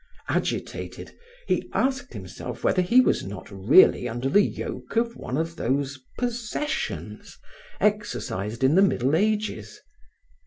Agitated, he asked himself whether he was not really under the yoke of one of those possessions exercised in the Middle Ages.